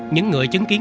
những người chứng kiến